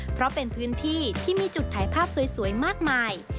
เพราะเป็นพื้นที่ที่มีจุดถ่ายภาพสวยมากมาย